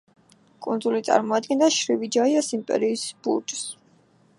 კუნძული წარმოადგენდა შრივიჯაიას იმპერიის ბურჯს.